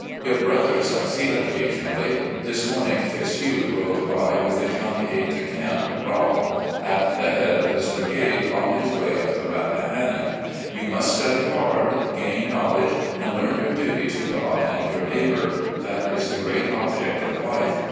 Your brothers I see occasionally. This morning Fitzhugh rode by with his young aide de camp (Rob) at the head of his brigade, on his way up the Rappahannock. You must study hard, gain kiaowledge, and learn your duty to God and your neighbour : that is the great object of life.